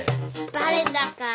バレたか。